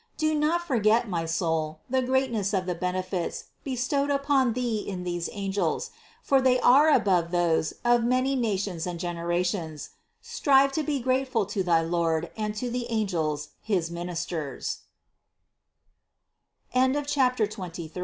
Do not forget, my soul, the greatness of the bene fits bestowed upon thee in these angels, for they are above those of many nations and generations: strive to be grateful to thy Lord and to the angels, his ministers. CHAPTER XXIV.